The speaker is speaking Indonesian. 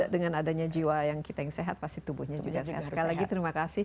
kalau kita yang sehat pasti tubuhnya juga sehat sekali lagi terima kasih